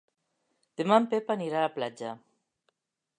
Demà en Pep anirà a la platja.